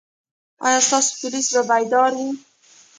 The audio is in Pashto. ایا ستاسو پولیس به بیدار وي؟